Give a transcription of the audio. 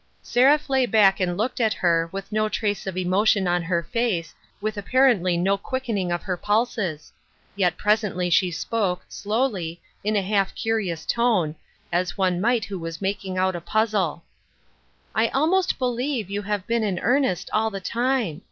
Seraph lay back and looked at her, with no trace of emotion on her face, with apparently no quicken ing of her pulses ; yet presently she spoke, slowly, in a half curious tone, as one might who was mak ing out a puzzle :—" I almost believe you have been in earnest all the time.